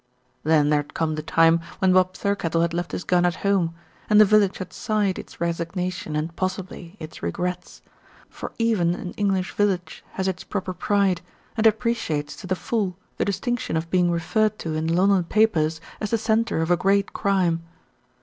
Then there had come the time when Bob Thirkettle had left his gun at home, and the village had sighed its resignation and possibly its regrets; for even an English village has its proper pride, and appreciates to the full the distinction of being referred to in the London papers as the centre of a great crime.